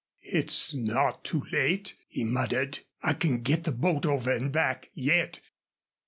"It's not too late!" he muttered. "I can get the boat over an' back yet!"